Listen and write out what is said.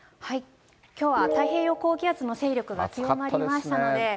きょうは太平洋高気圧の勢力が強まりましたので。